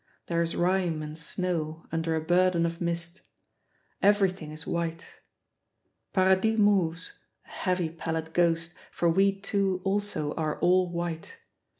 There is rime and snow under a burden of mist. Everything is white. Paradis moves a heavy pallid ghost, for we two also are all white.